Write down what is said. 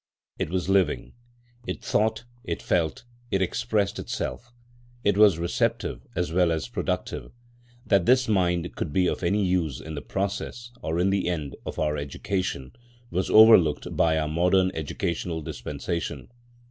It was living. It thought, it felt, it expressed itself. It was receptive as well as productive. That this mind could be of any use in the process, or in the end, of our education was overlooked by our modern educational dispensation.